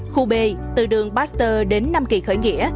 khu b từ đường baxter đến nam kỳ khởi nghĩa